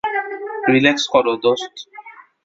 Relax করো, দোস্ত।